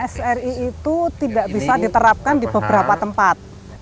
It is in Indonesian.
sri itu tidak bisa diterapkan di beberapa tempat